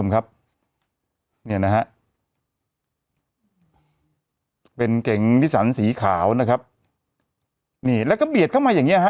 ครับเนี่ยนะฮะเป็นเก๋งนิสันสีขาวนะครับนี่แล้วก็เบียดเข้ามาอย่างเงี้ฮะ